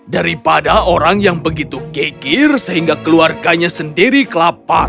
dia pelajar orang yang kegiat sehingga keluarganya sendiri akan kagum